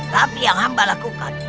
tapi yang hamba lakukan